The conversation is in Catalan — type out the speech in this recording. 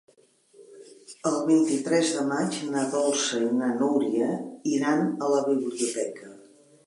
El vint-i-tres de maig na Dolça i na Núria iran a la biblioteca.